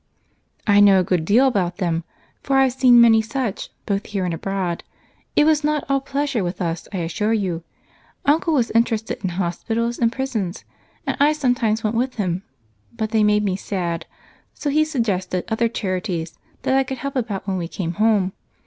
"I know a good deal about them, for I've seen many such, both here and abroad. It was not all pleasure with us, I assure you. Uncle was interested in hospitals and prisons, and I sometimes went with him, but they made me sad so he suggested other charities that I could be of help about when we came home.